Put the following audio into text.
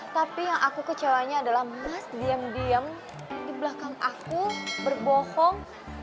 tapi yang aku kecewanya adalah mas diam diam di belakang aku berbohong